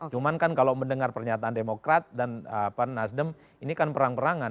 cuman kan kalau mendengar pernyataan demokrat dan nasdem ini kan perang perangan